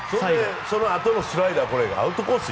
そのあとのスライダーこれアウトコース